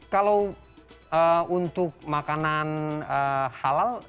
kalau untuk makanan halal